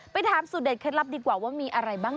ไปทำสุดเด็จเคล็ดลับดีกว่าว่ามีอะไรบ้าง